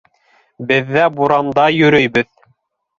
Беҙ ҙә буранда йөрөйбөҙ.